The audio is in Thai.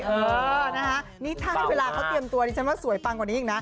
เออนะคะนี่ถ้าให้เวลาเขาเตรียมตัวดิฉันว่าสวยปังกว่านี้อีกนะ